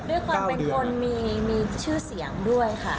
เป็นคนมีชื่อเสียงด้วยค่ะ